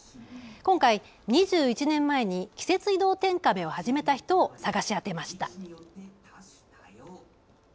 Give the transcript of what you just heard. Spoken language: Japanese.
今回、２１年前に季節移動天カメを始めた人を探し当てました。